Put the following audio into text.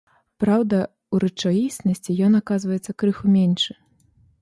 Праўда, у рэчаіснасці ён аказваецца крыху меншы.